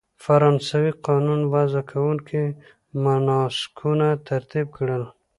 فرانسوي قانون وضع کوونکو مناسکونه ترتیب کړل.